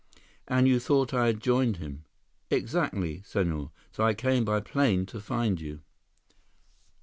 "And you thought I had joined him?" "Exactly, Senhor. So I came by plane to find you."